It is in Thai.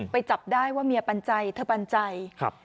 จับได้ว่าเมียปันใจเธอปันใจครับ